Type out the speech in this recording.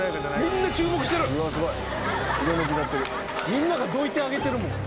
みんながどいてあげてるもん